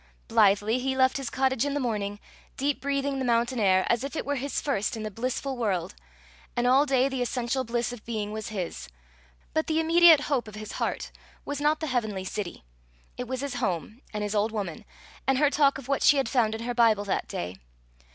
Blithely he left his cottage in the morning, deep breathing the mountain air, as if it were his first in the blissful world; and all day the essential bliss of being was his; but the immediate hope of his heart was not the heavenly city; it was his home and his old woman, and her talk of what she had found in her Bible that day.